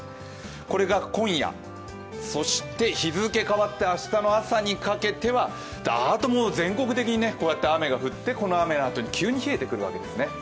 これが今夜、そして日付変わって明日の朝にかけてはダーッともう全国的にこうやって雨が降ってこの雨のあとに急に冷えてくるわけです。